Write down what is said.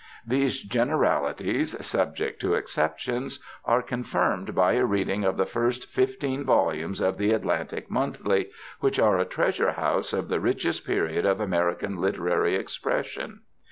These generalities, subject to exceptions, are confirmed by a reading of the first fifteen volumes of the Atlantic Monthly, which are a treasure house of the richest period of American literary expression.